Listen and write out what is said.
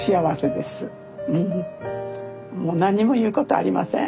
もう何も言うことありません。